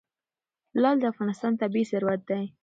لعل د افغانستان طبعي ثروت دی.